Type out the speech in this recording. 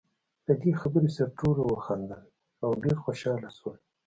له دې خبرې سره ټولو وخندل، او ډېر خوشاله شول.